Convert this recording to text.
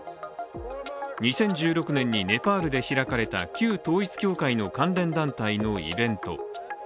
２０１６年にネパールで開かれた旧統一教会の関連団体のイベント。